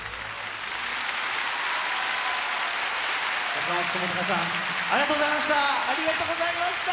岡本知高さん、ありがとうございました。